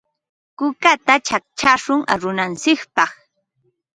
Kukata chaqchashun arunantsikpaq.